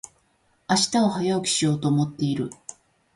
明日は早起きしようと思っている。